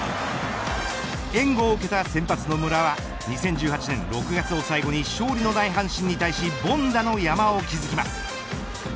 援護を受けた先発、野村は２０１８年６月を最後に勝利のない阪神に対し凡打の山を築きます。